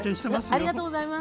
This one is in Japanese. ありがとうございます。